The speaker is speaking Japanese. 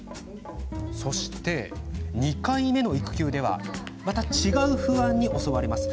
そして、２回目の育休ではまた違う不安に襲われます。